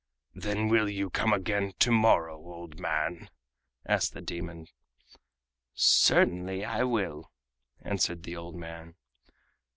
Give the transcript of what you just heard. "Then will you come again to morrow, old man?" asked the demon. "Certainly, I will," answered the old man.